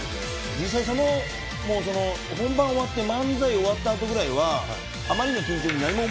実際もうその本番終わって漫才終わったあとぐらいは。